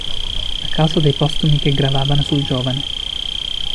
A causa dei postumi che gravavano sul giovane.